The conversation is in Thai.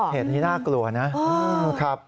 เหตุที่น่ากลัวนะ